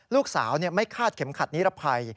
ลูกสาวไม่คาดเข็มขัดนิรภัย